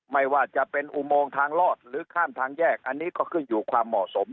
ไม่ว่าจะเป็นอุโมงทางลอดหรือข้ามทางแยกอันนี้ก็ขึ้นอยู่ความเหมาะสม